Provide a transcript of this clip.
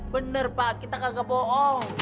bener pak kita gak bohong